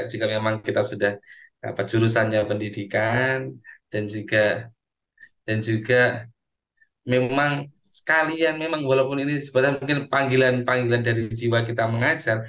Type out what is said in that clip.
jika memang kita sudah jurusannya pendidikan dan juga memang sekalian memang walaupun ini sebenarnya mungkin panggilan panggilan dari jiwa kita mengajar